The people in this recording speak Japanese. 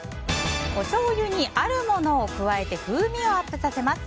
おしょうゆにあるものを加えて風味をアップさせます